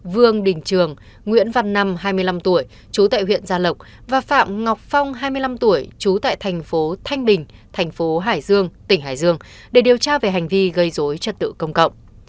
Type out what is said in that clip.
vương đình trường nguyễn văn năm hai mươi năm tuổi chú tại huyện gia lộc và phạm ngọc phong hai mươi năm tuổi trú tại thành phố thanh bình thành phố hải dương tỉnh hải dương để điều tra về hành vi gây dối trật tự công cộng